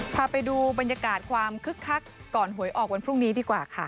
พาไปดูบรรยากาศความคึกคักก่อนหวยออกวันพรุ่งนี้ดีกว่าค่ะ